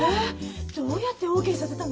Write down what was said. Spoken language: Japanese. どうやってＯＫさせたの？